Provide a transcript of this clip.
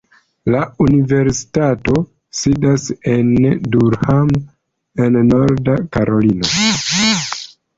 La universitato sidas en Durham en Norda Karolino.